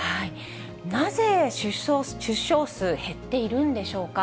なぜ、出生数減っているんでしょうか。